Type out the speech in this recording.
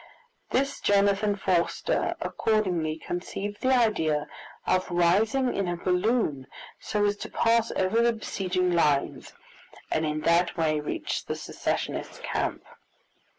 Thus Jonathan Forster accordingly conceived the idea of rising in a balloon, so as to pass over the besieging lines, and in that way reach the Secessionist camp.